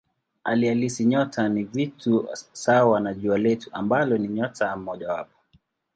Hali halisi nyota ni vitu sawa na Jua letu ambalo ni nyota mojawapo.